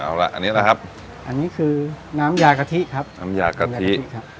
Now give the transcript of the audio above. เอาล่ะอันนี้นะครับอันนี้คือน้ำยากะทิครับน้ำยากะทิครับ